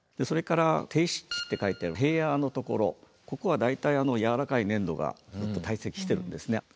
それから低湿地って書いてある平野のところここは大体軟らかい粘土が堆積してるんですね。